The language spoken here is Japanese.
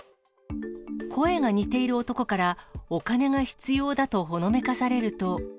声が似ている男から、お金が必要だとほのめかされると。